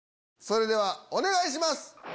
それではお願いします！